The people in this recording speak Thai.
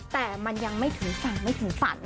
แต่มันยังไม่ถึงฝั่งไม่ถึงฝัน